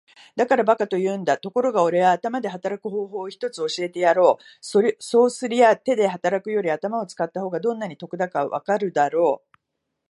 「だから馬鹿と言うんだ。ところがおれは頭で働く方法を一つ教えてやろう。そうすりゃ手で働くより頭を使った方がどんなに得だかわかるだろう。」